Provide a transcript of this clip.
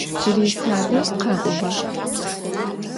Джыри садэжь къакӏоба!